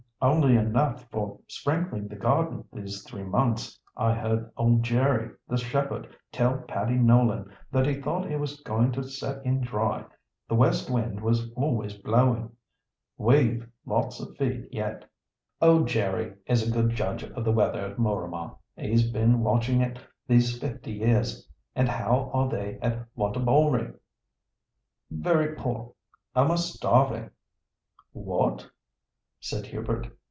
"Only enough for sprinkling the garden these three months. I heard old Jerry, the shepherd, tell Paddy Nolan that he thought it was going to set in dry—the west wind was always blowing. We've lots of feed yet." "Old Jerry is a good judge of the weather at Mooramah; he's been watching it these fifty years. And how are they at Wantabalree?" "Very poor, almost starving." "What?" said Hubert.